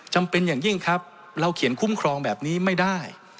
เป็นอย่างยิ่งครับเราเขียนคุ้มครองแบบนี้ไม่ได้